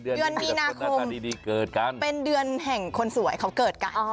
เดือนมีนาคมเกิดกันเป็นเดือนแห่งคนสวยเขาเกิดกัน